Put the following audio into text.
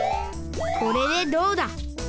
これでどうだ。